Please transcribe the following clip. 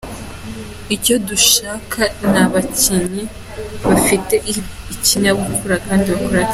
Icyo dushaka ni abakinnyi bafite ikinyabupfura kandi bakora cyane.